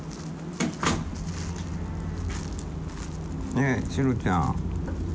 ねえシロちゃん。